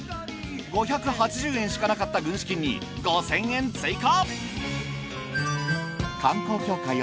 ５８０円しかなかった軍資金に５，０００円追加。